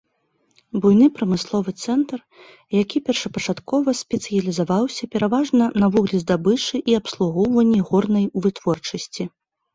Буйны прамысловы цэнтр, які першапачаткова спецыялізаваўся пераважна на вуглездабычы і абслугоўванні горнай вытворчасці.